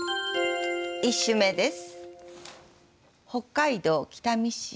１首目です。